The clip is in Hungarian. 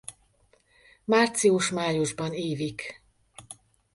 Március-májusban ívik.